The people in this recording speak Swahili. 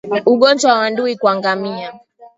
Ugonjwa wa ndui kwa ngamia